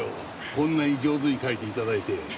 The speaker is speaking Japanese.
こんなに上手に描いて頂いて。